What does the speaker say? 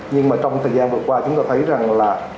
nhưng mà trong thời gian vừa qua chúng tôi thấy rằng là